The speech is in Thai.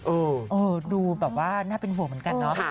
เออดูแบบว่าน่าเป็นห่วงเหมือนกันเนาะ